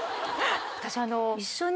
私。